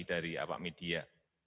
dari awak media